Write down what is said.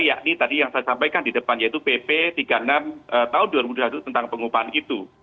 yakni tadi yang saya sampaikan di depan yaitu pp tiga puluh enam tahun dua ribu dua puluh satu tentang pengupahan itu